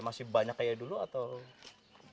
masih banyak kayak dulu atau